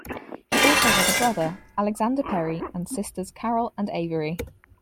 He also has a brother, Alexander Perry and sisters Carol and Avery.